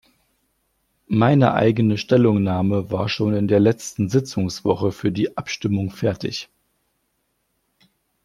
Meine eigene Stellungnahme war schon in der letzten Sitzungswoche für die Abstimmung fertig.